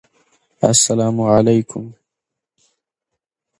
ښځه سوه په خوشالي کورته روانه `